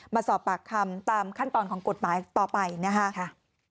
มาสอบปากคำตามขั้นตอนของกฎหมายต่อไปนะคะ